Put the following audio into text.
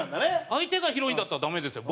相手がヒロインだったらダメですよ。